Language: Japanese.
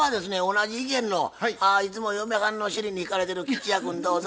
同じ意見のいつも嫁はんの尻に敷かれてる吉弥君どうぞ。